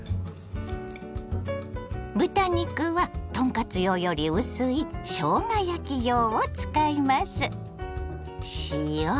豚肉は豚カツ用より薄いしょうが焼き用を使います。